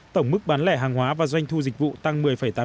tổng mức bán lẻ hàng hóa và doanh thu dịch vụ tăng một mươi tám mươi